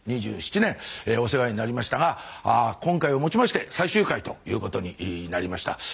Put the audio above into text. ２７年お世話になりましたが今回をもちまして最終回ということになりました。